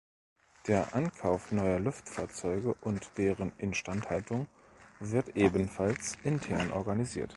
Der Ankauf neuer Luftfahrzeuge und deren Instandhaltung wird ebenfalls intern organisiert.